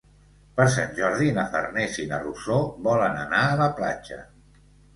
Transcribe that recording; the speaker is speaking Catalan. Per Sant Jordi na Farners i na Rosó volen anar a la platja.